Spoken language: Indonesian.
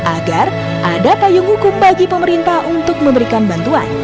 agar ada payung hukum bagi pemerintah untuk memberikan bantuan